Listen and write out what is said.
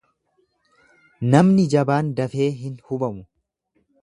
Namni jabaan dafee hin hubamu.